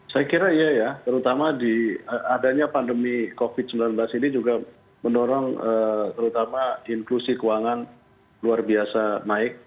saya kira iya ya terutama di adanya pandemi covid sembilan belas ini juga mendorong terutama inklusi keuangan luar biasa naik